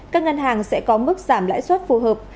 các ngân hàng sẽ có mức giảm lãi suất phù hợp